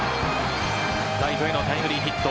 ライトへのタイムリーヒット。